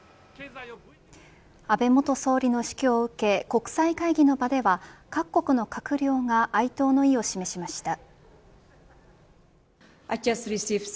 安倍元総理の死去を受け国際会議の場では各国の閣僚が哀悼の意を示しました。